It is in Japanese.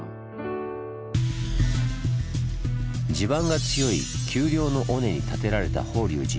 地盤が強い丘陵の尾根に建てられた法隆寺。